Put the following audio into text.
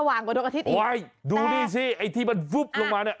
ว่างกว่าดวงอาทิตย์ว้ายดูนี่สิไอ้ที่มันฟุ๊บลงมาเนี่ย